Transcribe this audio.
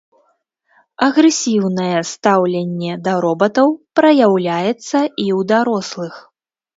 Агрэсіўнае стаўленне да робатаў праяўляецца і ў дарослых.